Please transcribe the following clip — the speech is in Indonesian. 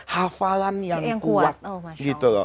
hafalan yang kuat